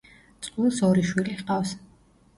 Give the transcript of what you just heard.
წყვილს ორი შვილი ჰყავს.